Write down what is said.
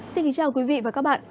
xin kính chào quý vị và các bạn